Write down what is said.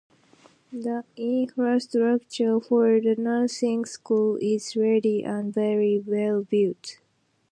The infrastructure for the nursing school is ready and very well built.